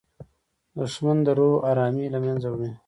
دښمن د روح ارامي له منځه وړي